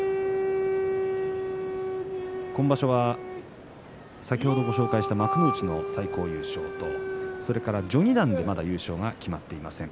今場所は先ほどご紹介した幕内の最高優勝とそれから序二段で、まだ優勝が決まっていません。